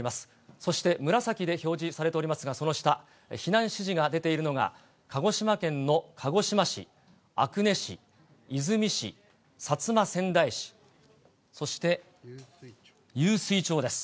そして紫で表示されておりますが、その下、避難指示が出ているのが、鹿児島県の鹿児島市、阿久根市、出水市、薩摩川内市、そして湧水町です。